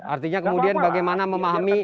artinya kemudian bagaimana memahami